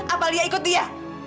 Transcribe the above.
apa lia ikut dia